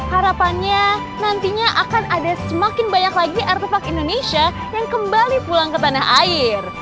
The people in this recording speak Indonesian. harapannya nantinya akan ada semakin banyak lagi artefak indonesia yang kembali pulang ke tanah air